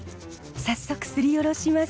早速すりおろします。